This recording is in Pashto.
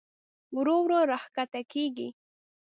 ورو ورو راښکته کېږي.